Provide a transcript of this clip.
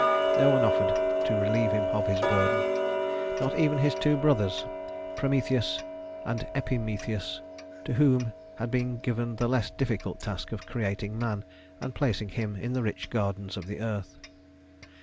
No one offered to relieve him of his burden, not even his two brothers, Prometheus and Epimetheus, to whom had been given the less difficult task of creating man and placing him in the rich gardens of the earth.